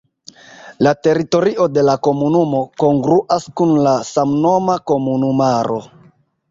La teritorio de la komunumo kongruas kun la samnoma komunumaro.